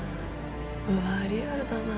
うわ、リアルだなあ。